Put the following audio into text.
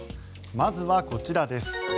まずはこちらです。